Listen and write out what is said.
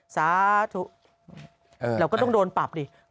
สาธุเราก็ต้องโดนปรับดิ